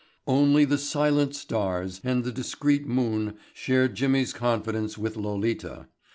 Only the silent stars and the discreet moon shared Jimmy's confidence with Lolita.